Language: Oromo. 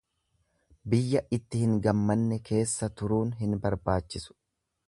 Biyya itti hin gammanne keessa turuun hin barbaachisu.